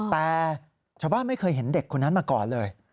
แต่ชาวบ้านไม่เคยเห็นเด็กคนนั้นมาก่อนเลย